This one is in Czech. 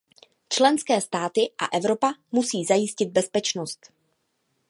Členské státy a Evropa musí zajistit bezpečnost.